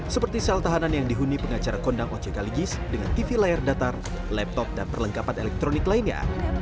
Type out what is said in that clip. seperti sel tahanan yang dihuni pengacara kondang ojk legis dengan tv layar datar laptop dan perlengkapan elektronik lainnya